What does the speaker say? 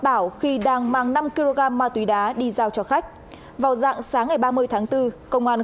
bảo khi đang mang năm kg ma túy đá đi giao cho khách vào dạng sáng ngày ba mươi tháng bốn công an